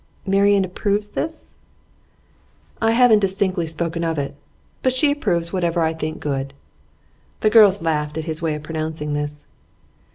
'Marian approves this?' 'I haven't distinctly spoken of it. But she approves whatever I think good.' The girls laughed at his way of pronouncing this.